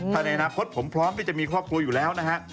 ถ้าในอนาคตผมพร้อมที่จะมีครอบครัวอยู่แล้วนะฮะ